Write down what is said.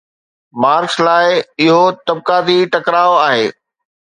Marx لاءِ اهو طبقاتي ٽڪراءُ آهي.